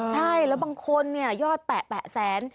ใช่แล้วบางคนยอดแปะแสน